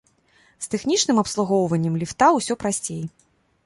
З тэхнічным абслугоўваннем ліфта усё прасцей.